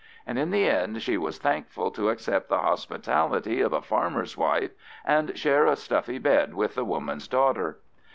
And in the end she was thankful to accept the hospitality of a farmer's wife, and share a stuffy bed with the woman's daughter.